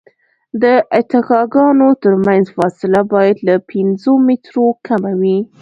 د اتکاګانو ترمنځ فاصله باید له پنځو مترو کمه وي